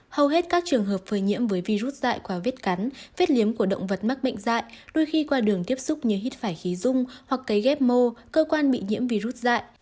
hầu hết các trường hợp phơi nhiễm với virus dại qua vết cắn vết liếm của động vật mắc bệnh dạy đôi khi qua đường tiếp xúc như hít phải khí dung hoặc cấy ghép mô cơ quan bị nhiễm virus dại